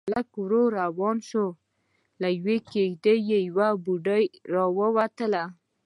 هلک ورو روان شو، له يوې کېږدۍ يوه بوډۍ راووته.